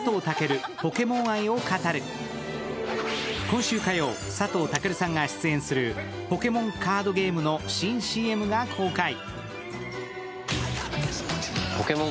今週火曜、佐藤健さんが出演するポケモンカードゲームの新ＣＭが公開。